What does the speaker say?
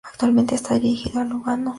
Actualmente está dirigiendo al Lugano.